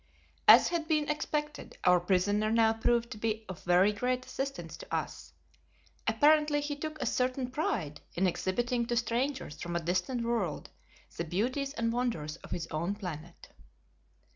As had been expected, our prisoner now proved to be of very great assistance to us. Apparently he took a certain pride in exhibiting to strangers from a distant world the beauties and wonders of his own planet.